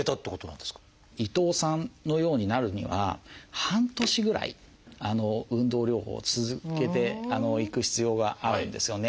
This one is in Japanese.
伊藤さんのようになるには半年ぐらい運動療法を続けていく必要があるんですよね。